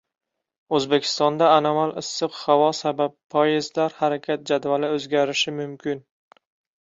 O‘zbekistonda anomal issiq havo sabab poyezdlar harakat jadvali o‘zgarishi mumkin